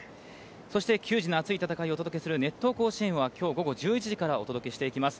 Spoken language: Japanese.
そして球児の熱い戦いをお伝えする「熱闘甲子園」はきょう午後１１時からお届けしていきます。